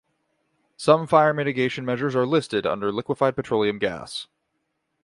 Some fire mitigation measures are listed under liquefied petroleum gas.